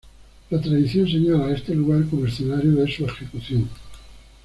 La tradición señala a este lugar como escenario de su ejecución.